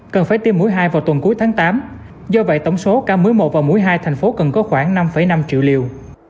cần phải tiêm mũi hai vào tuần cuối tháng tám do vậy tổng số ca mỗi và mũi hai thành phố cần có khoảng năm năm triệu liều